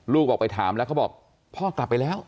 ลูกบอกไปถามแล้วเขาบอกพ่อกลับไปแล้ว